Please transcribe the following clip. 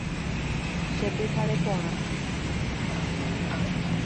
Chepyhare porã.